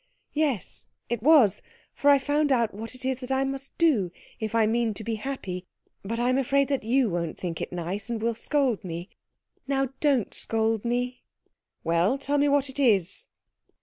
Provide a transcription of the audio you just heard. "Yes, it was, for I found out what it is that I must do if I mean to be happy. But I'm afraid that you won't think it nice, and will scold me. Now don't scold me." "Well, tell me what it is."